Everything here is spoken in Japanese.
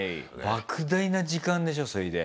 ばく大な時間でしょそいで。